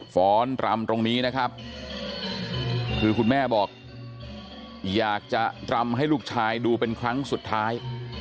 ้อนรำตรงนี้นะครับคือคุณแม่บอกอยากจะรำให้ลูกชายดูเป็นครั้งสุดท้าย